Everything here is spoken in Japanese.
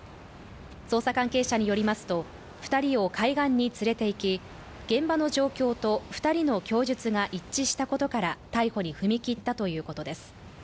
捜査関係者によりますと、２人を海岸に連れて行き、現場の状況と２人の供述が一致したことから逮捕に踏み切ったということです。